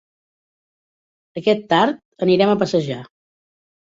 Aquest tard anirem a passejar.